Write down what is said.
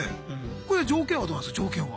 これ条件はどうなんすか条件は。